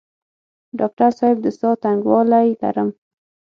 ډاکټر صاحب د ساه تنګوالی لرم؟